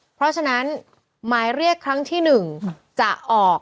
เพราะฉะนั้นหมายเรียกครั้งที่๑จะออก